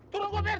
turun gua per